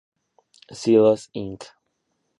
Silos Inc.